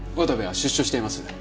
渡部は出所しています。